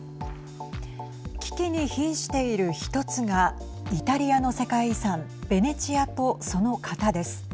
危機にひんしている１つがイタリアの世界遺産ベネチアとその潟です。